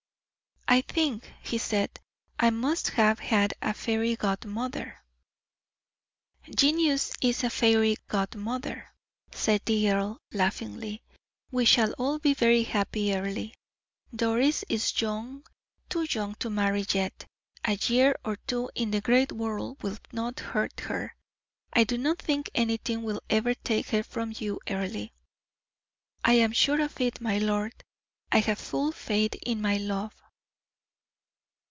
"I think," he said, "I must have had a fairy godmother." "Genius is a fairy godmother," said the earl, laughingly. "We shall all be very happy, Earle. Doris is young too young to marry yet; a year or two in the great world will not hurt her. I do not think anything will ever take her from you, Earle." "I am sure of it, my lord. I have full faith in my love."